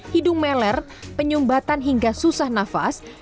hidung meler penyumbatan hingga susah nafas